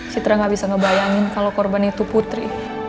citra gak bisa ngebayangin kalau korban itu putri